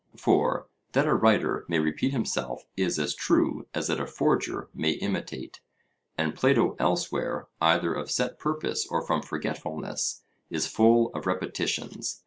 For that a writer may repeat himself is as true as that a forger may imitate; and Plato elsewhere, either of set purpose or from forgetfulness, is full of repetitions.